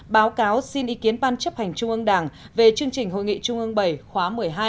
báo cáo xin ý kiến ban chấp hành trung ương đảng về chương trình hội nghị trung ương bảy khóa một mươi hai